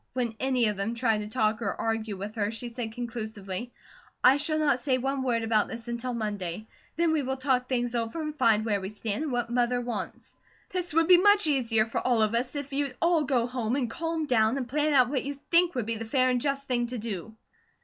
When any of them tried to talk or argue with her she said conclusively: "I shall not say one word about this until Monday. Then we will talk things over, and find where we stand, and what Mother wants. This would be much easier for all of us, if you'd all go home and calm down, and plan out what you think would be the fair and just thing to do."